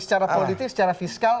secara politik secara fiskal